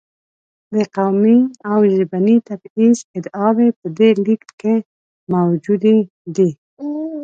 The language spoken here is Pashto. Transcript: د قومي او ژبني تبعیض ادعاوې په دې لېږد کې موجودې دي.